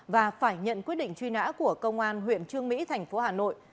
và phải nhận quyết định truy nã của công an huyện trương mỹ thành phố hà nội